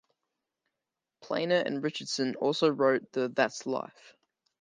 Planer and Richardson also wrote the That's Life!